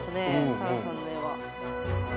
さらさんの絵は。